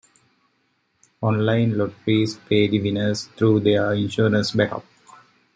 Online lotteries pay the winners through their insurance backup.